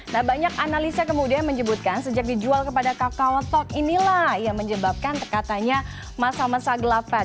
nah banyak analisa kemudian menyebutkan sejak dijual kepada kakao talk inilah yang menyebabkan katanya masa masa gelapan